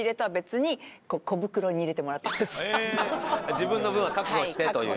自分の分は確保してという。